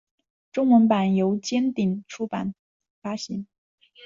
中文版由尖端出版发行。